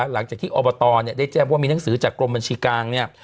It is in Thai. หลังจากที่อบตเนี่ยได้แจ้งว่ามีหนังสือจากกรมบัญชีกลางเนี่ย